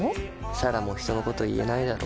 彩良も人のこと言えないだろ。